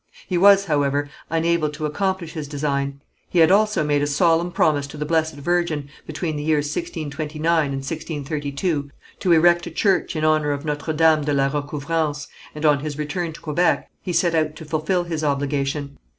He was, however, unable to accomplish his design. He had also made a solemn promise to the Blessed Virgin, between the years 1629 and 1632, to erect a church in honour of Notre Dame de la Recouvrance, and on his return to Quebec he set out to fulfil his obligation.